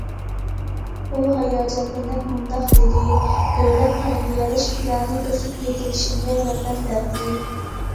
ئۇ ھاياجانلىنىپ مۇنداق دېدى: دۆلەت تەربىيەلەش پىلانى ئۆسۈپ يېتىلىشىمگە ياردەم بەردى.